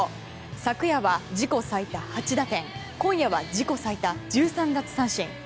昨夜は自己最多８打点今夜は自己最多１３奪三振。